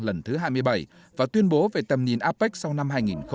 lần thứ hai mươi bảy và tuyên bố về tầm nhìn apec sau năm hai nghìn hai mươi